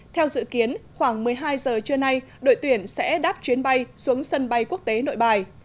theo dự kiến khoảng một mươi hai giờ trưa nay đội tuyển sẽ đáp chuyến bay xuống sân bay quốc tế nội bài